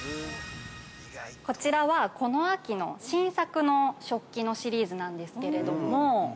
◆こちらはこの秋の新作の食器のシリーズなんですけれども。